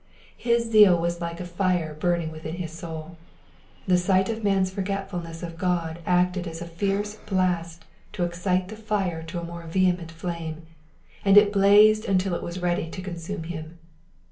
His zeal was like a fire burning within his soul. The sight of man's forgetful ness of God acted as a fierce blast to excite the fire to a more vehement flame, and it blazed until it was ready to consume him.